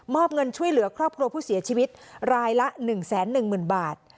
เงินช่วยเหลือครอบครัวผู้เสียชีวิตรายละ๑๑๐๐๐บาท